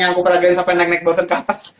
yang kuperagakan sampai naik naik bosen ke atas